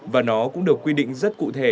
và nó cũng được quy định rất cụ thể